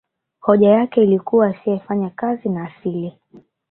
hoja yake ilikuwa asiyefanya kazi na asile